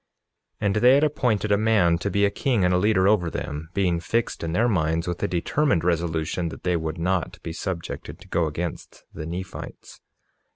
47:6 And they had appointed a man to be a king and a leader over them, being fixed in their minds with a determined resolution that they would not be subjected to go against the Nephites.